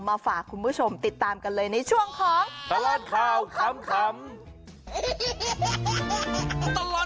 มาฝากคุณผู้ชมติดตามกันเลยในช่วงของตลอดข่าวขำ